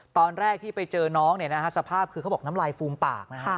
ตอนแรกที่ไปเจอน้องน้ำลายฟูมปาก